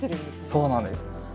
そうなんです。